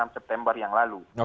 september yang lalu